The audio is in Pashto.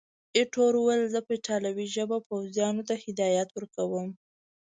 ایټور وویل، زه په ایټالوي ژبه پوځیانو ته هدایات ورکوم.